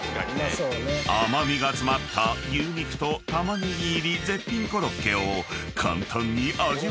［甘味が詰まった牛肉と玉ねぎ入り絶品コロッケを簡単に味わえるのだ］